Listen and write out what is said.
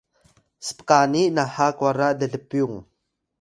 spkani naha kwara llpyung